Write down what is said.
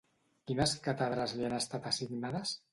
Quines càtedres li han estat assignades?